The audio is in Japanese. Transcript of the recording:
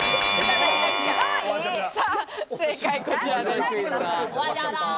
正解こちらです。